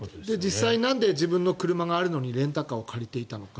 実際、なんで自分の車があるのにレンタカーを借りていたのか。